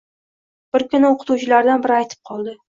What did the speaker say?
Bir kuni o‘qituvchilardan biri aytib qoldi.